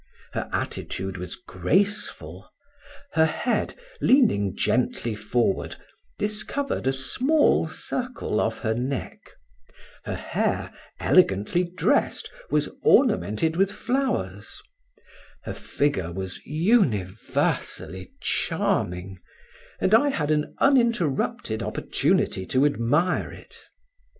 Her attitude was graceful, her head leaning gently forward, discovered a small circle of her neck; her hair, elegantly dressed was ornamented with flowers; her figure was universally charming, and I had an uninterrupted opportunity to admire it.